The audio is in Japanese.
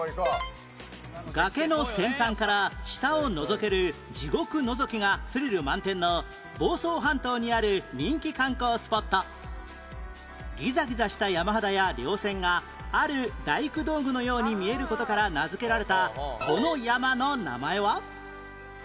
崖の先端から下をのぞける地獄のぞきがスリル満点の房総半島にある人気観光スポットギザギザした山肌や稜線がある大工道具のように見える事から名づけられたこの山の名前は？